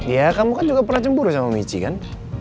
ya kamu kan juga pernah cemburu sama michi kan